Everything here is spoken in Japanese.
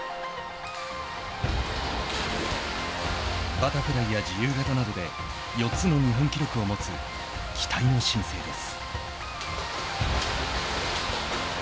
バタフライや自由形などで４つの日本記録を持つ期待の新星です。